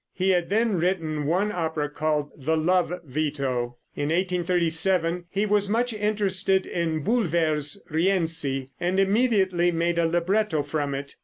He had then written one opera, called "The Love Veto." In 1837 he was much interested in Bulwer's "Rienzi," and immediately made a libretto from it.